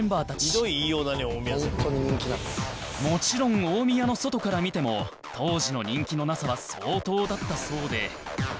「ひどい言い様だね大宮セブン」もちろん大宮の外から見ても当時の人気のなさは相当だったそうで